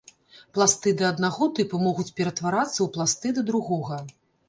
Пластыды аднаго тыпу могуць ператварацца ў пластыды другога.